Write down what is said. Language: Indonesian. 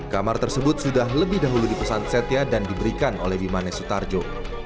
kamar tersebut sudah lebih dahulu dipesan setia dan diberikan oleh bimanes sutarjo